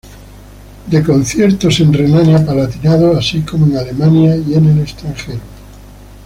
Da conciertos en Renania-Palatinado, así como en Alemania y en el extranjero.